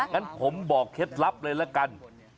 งั้นผมบอกเคล็ดลับเลยละกัน